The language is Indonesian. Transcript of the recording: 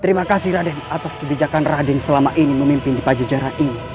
terima kasih raden atas kebijakan raden selama ini memimpin di pajajaran ini